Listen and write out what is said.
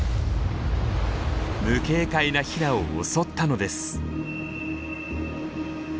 無警戒なヒナを襲ったのです。